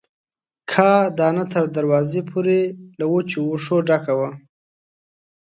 کاه دانه تر دروازې پورې له وچو وښو ډکه وه.